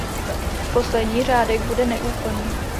Poslední řádek bude neúplný.